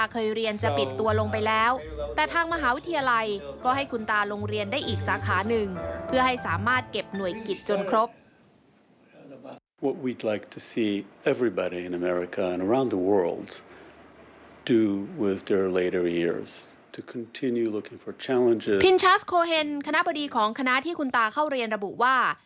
โคเฮนคณะบดีของคณะที่คุณตาเข้าเรียนระบุว่า